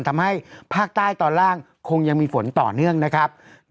ทำให้ภาคใต้ตอนล่างคงยังมีฝนต่อเนื่องนะครับ